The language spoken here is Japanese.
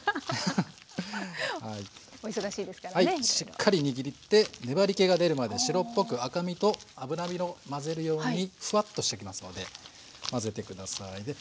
はいしっかり握って粘りけが出るまで白っぽく赤身と脂身を混ぜるようにふわっとしてきますので混ぜて下さい。